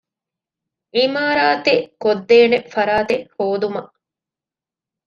ޢިމާރާތެއް ކޮށްދޭނެ ފަރާތެއް ހޯދުމަށް